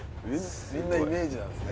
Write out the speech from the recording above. みんなイメージなんですね。